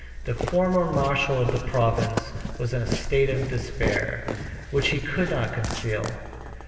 The former marshal of the province was in a state of despair, which he could not conceal.